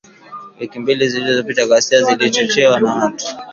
Wiki mbili zilizopita ghasia zilizochochewa na watu